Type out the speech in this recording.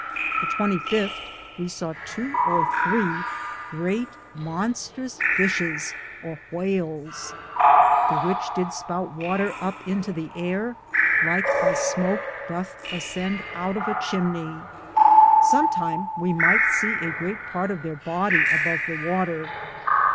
The 25 we saw 2 or 3 greate monstrus fishis or whales, the which did spoute water up into the eayere, lyke as smoke dothe assend out of a chimnay. Sometime we myghte se a great parte of there bodye above the water.